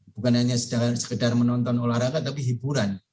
bukan hanya sekedar menonton olahraga tapi hiburan